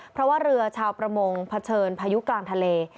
เพราะว่าเรือชาวประมงเผชิญพายุกลางทะเล